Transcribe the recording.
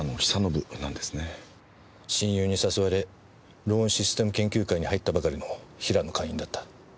親友に誘われローンシステム研究会に入ったばかりのヒラの会員だった。